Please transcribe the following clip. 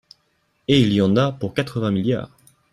Et il y en a pour quatre-vingts milliards